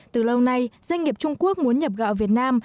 từ lâu nay doanh nghiệp trung quốc muốn nhập gạo việt nam